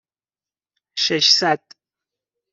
ششصد